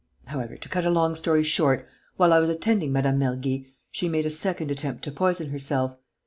However, to cut a long story short, while I was attending Mme. Mergy, she made a second attempt to poison herself....